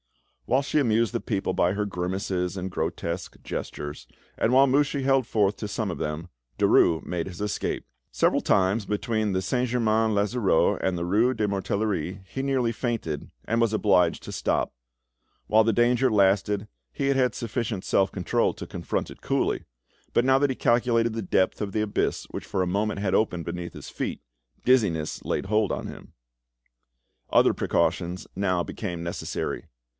Whilst she amused the people by her grimaces and grotesque gestures, and while Mouchy held forth to some of them, Derues made his escape. Several times between Saint Germain l'Auxerrois and the rue de la Mortellerie he nearly fainted, and was obliged to stop. While the danger lasted, he had had sufficient self control to confront it coolly, but now that he calculated the depth of the abyss which for a moment had opened beneath his feet, dizziness laid hold on him. Other precautions now became necessary.